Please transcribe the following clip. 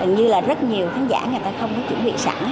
như là rất nhiều khán giả người ta không có chuẩn bị sẵn